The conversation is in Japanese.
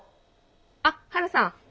あっハルさん。